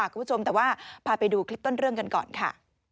คุณผู้ชมแต่ว่าพาไปดูคลิปต้นเรื่องกันก่อนค่ะ